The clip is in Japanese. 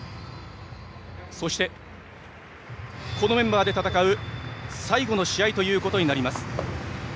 そして、このメンバーで戦う最後の試合ということになります。